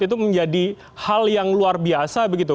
itu menjadi hal yang luar biasa begitu